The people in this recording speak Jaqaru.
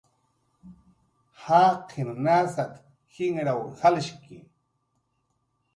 "Jaqin nasat"" jinraw jalshki"